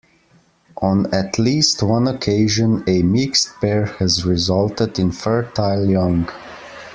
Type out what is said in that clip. On at least one occasion a mixed pair has resulted in fertile young.